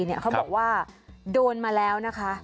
เขาบอกว่าโดนมาแล้วนะคะ